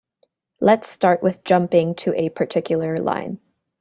Let's start with jumping to a particular line.